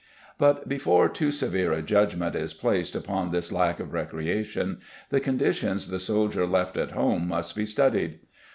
But before too severe a judgment is placed upon this lack of recreation the conditions the soldier left at home must be studied.